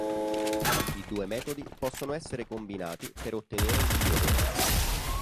I due metodi possono essere combinati per ottenere il miglior risultato.